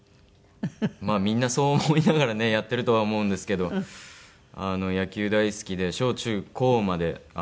まあみんなそう思いながらねやってるとは思うんですけど野球大好きで小中高まで野球やりまして。